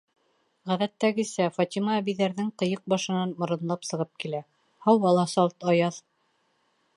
Ғәҙәттәгесә, Фатима әбейҙәрҙең ҡыйыҡ башынан моронлап сығып килә. һауа ла салт аяҙ.